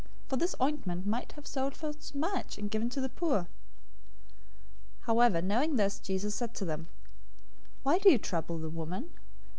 026:009 For this ointment might have been sold for much, and given to the poor." 026:010 However, knowing this, Jesus said to them, "Why do you trouble the woman?